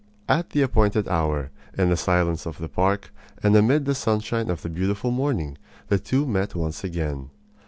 At the appointed hour, in the silence of the park and amid the sunshine of the beautiful morning, the two met once again.